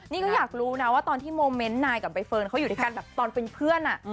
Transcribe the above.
นี่ก็อยากรู้นะว่าตอนที่โมเมนต์นายกับใบเฟิร์นเขาอยู่ด้วยกันแบบตอนเป็นเพื่อน